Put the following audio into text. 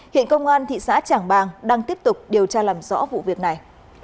hiện công an thị xã trảng bàng đang tiếp tục điều tra làm rõ vụ việc này